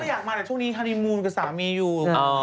อยากมาแต่ช่วงนี้ฮานีมูลกับสามีอยู่